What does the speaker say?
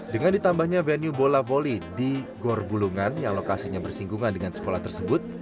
dengan ditambahnya venue bola volley di gor bulungan yang lokasinya bersinggungan dengan sekolah tersebut